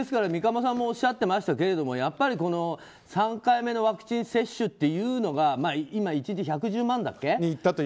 三鴨さんもおっしゃっていましたけれどもやっぱり３回目のワクチン接種というのが今、１日１１０万だっけ